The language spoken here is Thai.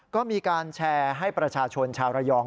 ก็มีการแชร์ให้ประชาชนชาวระยอง